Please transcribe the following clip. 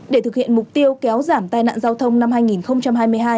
để thực hiện mục tiêu kéo giảm tai nạn giao thông năm hai nghìn hai mươi hai